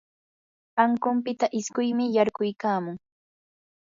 ankunpita isquymi yarquykamun.